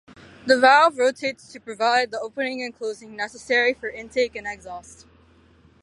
The valve rotates to provide the opening and closing necessary for intake and exhaust.